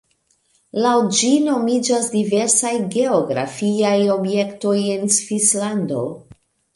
Laŭ ĝi nomiĝas diversaj geografiaj objektoj en Svislando.